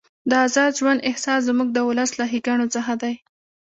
د ازاد ژوند احساس زموږ د ولس له ښېګڼو څخه دی.